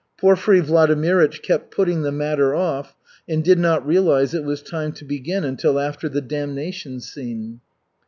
Porfiry Vladimirych kept putting the matter off, and did not realize it was time to begin until after the damnation scene.